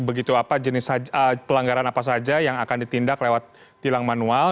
begitu apa jenis pelanggaran apa saja yang akan ditindak lewat tilang manual